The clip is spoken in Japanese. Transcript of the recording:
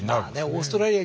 オーストラリア